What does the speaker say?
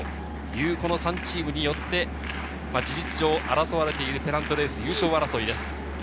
この３チームによって事実上、争われているペナントレース、優勝争いです。